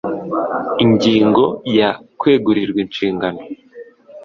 Ingingo ya kwegurirwa inshingano